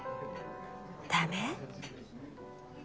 駄目？